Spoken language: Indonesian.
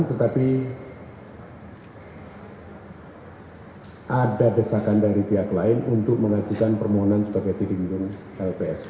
tetapi ada desakan dari pihak lain untuk mengajukan permohonan sebagai tipis lpsk